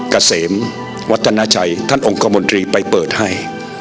เกษมวัฒนาชัยท่านองค์คมนตรีไปเปิดให้